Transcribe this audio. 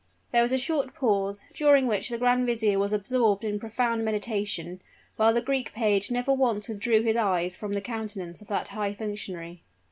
There was a short pause, during which the grand vizier was absorbed in profound meditation, while the Greek page never once withdrew his eyes from the countenance of that high functionary.